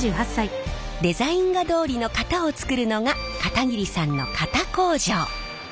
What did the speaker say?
デザイン画どおりの型を作るのが片桐さんの型工場。